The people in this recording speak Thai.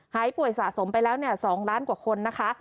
หายป่วยสะสมไปแล้ว๒ล้านกว่าคนนะคะ